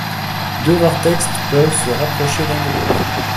deux vortex peuvent se rapprocher l'un de l'autre